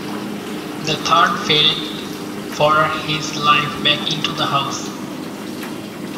The third fled for his life back into the house.